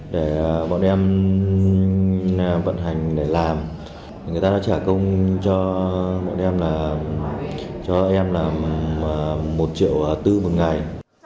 để bọn em vận hành để làm người ta đã trả công cho em là một triệu tư một ngày